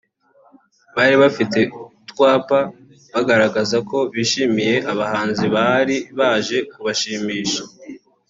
bari bafite utwapa bagaragaza ko bishimiye abahanzi bari baje kubashimisha